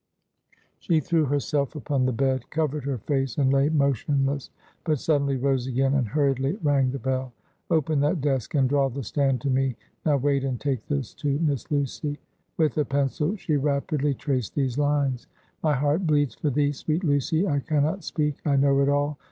She threw herself upon the bed, covered her face, and lay motionless. But suddenly rose again, and hurriedly rang the bell. "Open that desk, and draw the stand to me. Now wait and take this to Miss Lucy." With a pencil she rapidly traced these lines: "My heart bleeds for thee, sweet Lucy. I can not speak I know it all.